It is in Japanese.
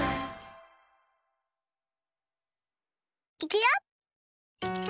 いくよ！